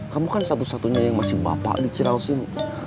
kamu kan satu satunya yang masih bapak di cirelsin